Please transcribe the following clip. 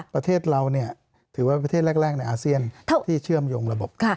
ประเทศเราถือว่าประเทศแรกในอาเซียนที่เชื่อมโยงระบบ